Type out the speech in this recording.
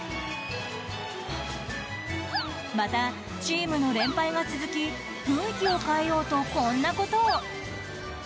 また、チームの連敗が続き雰囲気を変えようとこんなことを。